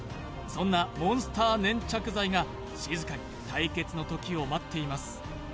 そんなモンスター粘着剤が静かに対決の時を待っています